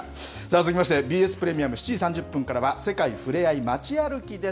続きまして、ＢＳプレミアム、７時３０分からは、世界ふれあい街歩きです。